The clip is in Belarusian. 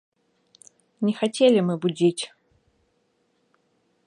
Не хацелі мы будзіць.